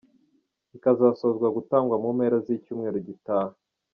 Ikazasozwa gutangwa mu mpera z’icyumweru gitaha.